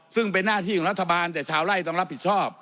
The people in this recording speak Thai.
ซึ่งเป็นหน้าที่ของรัฐบาลแต่ชาวไล่ต้องรับผิดชอบ